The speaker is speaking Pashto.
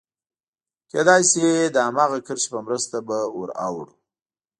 کېدای شي د هماغې کرښې په مرسته به ور اوړو.